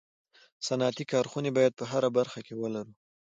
صنعتي کارخوني باید په هره برخه کي ولرو